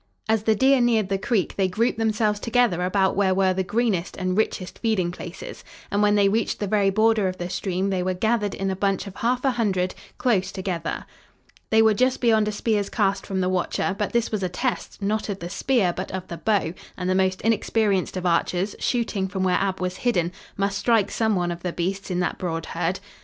As the deer neared the creek they grouped themselves together about where were the greenest and richest feeding places, and when they reached the very border of the stream they were gathered in a bunch of half a hundred, close together. They were just beyond a spear's cast from the watcher, but this was a test, not of the spear, but of the bow, and the most inexperienced of archers, shooting from where Ab was hidden, must strike some one of the beasts in that broad herd.